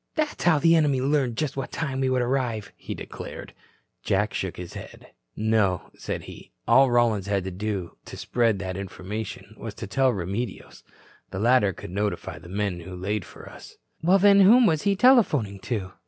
"That's how the enemy learned just what time we would arrive," he declared. Jack shook his head. "No," said he. "All Rollins had to do to spread that information was to tell Remedios. The latter could notify the men who laid for us." "Well, then, whom was he telephoning to?"